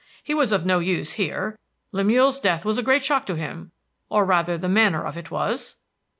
He was of no use here. Lemuel's death was a great shock to him, or rather the manner of it was."